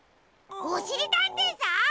おしりたんていさん？